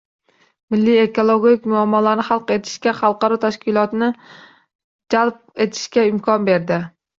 Milliy ekologik muammolarni hal etishga xalqaro tashkilotlarni jalb etishga imkon berdi.